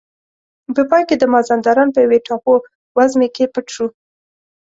په پای کې د مازندران په یوې ټاپو وزمې کې پټ شو.